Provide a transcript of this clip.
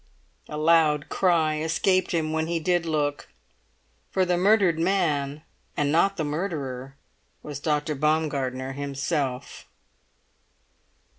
A loud cry escaped him when he did look; for the murdered man, and not the murderer, was Dr. Baumgartner himself.